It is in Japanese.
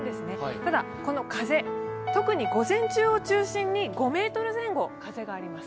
ただ、この風、特に午前中を中心に５メートル前後あります。